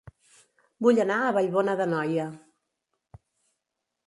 Vull anar a Vallbona d'Anoia